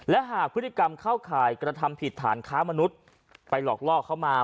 และหากพฤติกรรมเข้าข่ายกระทำผิดฐานค้ามนุษย์ไปหลอกลอกเข้ามา